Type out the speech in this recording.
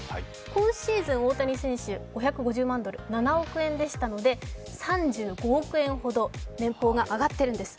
今シーズン大谷選手５５０万ドル、７億円でしたので、３５億円ほど年俸が上がってるんです。